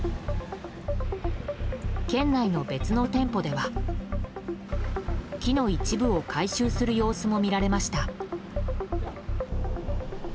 県内の別の店舗では木の一部を回収する様子も見られました。